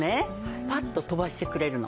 パッと飛ばしてくれるの。